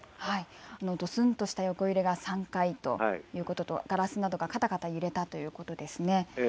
どすんとした横揺れが３回ということとガラスなどがカタカタ揺れたということですね。